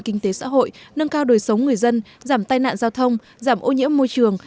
kinh tế xã hội nâng cao đời sống người dân giảm tai nạn giao thông giảm ô nhiễm môi trường